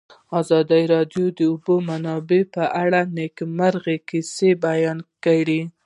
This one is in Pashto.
ازادي راډیو د د اوبو منابع په اړه د نېکمرغۍ کیسې بیان کړې.